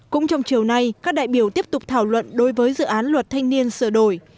cũng trong chiều nay các đại biểu tiếp tục thảo luận đối với dự án luật thanh niên sửa đổi